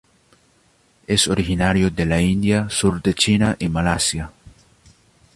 Es originario de la India, sur de China y Malasia.